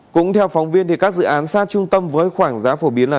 cũng theo phóng viên các dự án xa trung tâm với khoảng giá phổ biến là